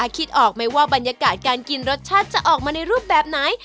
คิดออกไหมว่าบรรยากาศการกินรสชาติจะออกมาในรูปแบบไหน